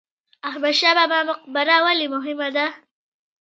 احمد شاه بابا مقبره ولې مهمه ده؟